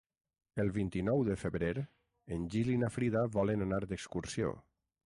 El vint-i-nou de febrer en Gil i na Frida volen anar d'excursió.